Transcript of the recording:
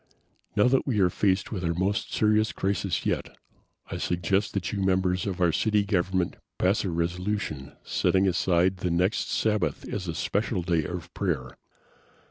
Now that we are faced with our most serious crisis yet, I suggest that you members of our city government pass a resolution setting aside the next Sabbath as a special day of prayer.